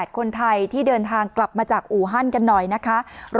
คนไทยที่เดินทางกลับมาจากอู่ฮั่นกันหน่อยนะคะ